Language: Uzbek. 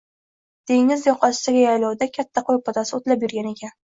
Dengiz yoqasidagi yaylovda katta qo’y podasi o’tlab yurgan ekan